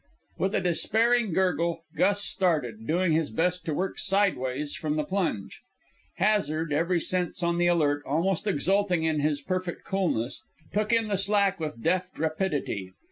With a despairing gurgle Gus started, doing his best to work sideways from the plunge. Hazard, every sense on the alert, almost exulting in his perfect coolness, took in the slack with deft rapidity.